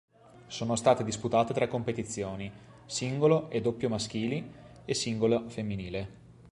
Sono state disputate tre competizioni: singolo e doppio maschili e singolo femminile.